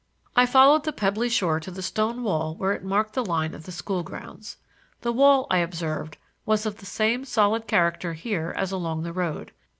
I followed the pebbly shore to the stone wall where it marked the line of the school grounds. The wall, I observed, was of the same solid character here as along the road.